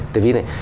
tại vì này